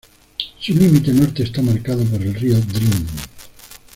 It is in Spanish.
Su límite norte está marcado por el río Drin.